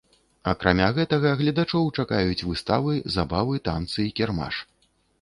Акрамя гэтага гледачоў чакаюць выставы, забавы, танцы і кірмаш.